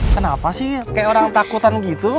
kenapa sih kayak orang takutan gitu